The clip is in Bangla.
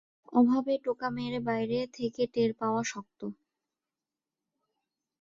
ওভাবে টোকা মেরে বাইরে থেকে টের পাওয়া শক্ত।